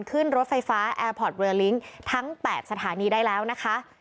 ขึ้นรถไฟฟ้าแอร์พอร์ตเวอร์ลิ้งทั้ง๘สถานีได้แล้วนะคะ